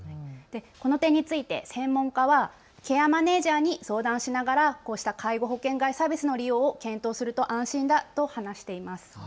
この点について専門家はケアマネージャーに相談しながらこうした介護保険外サービスを利用することを検討することが安心だと話しています。